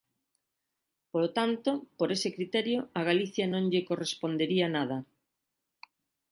Polo tanto, por ese criterio a Galicia non lle correspondería nada.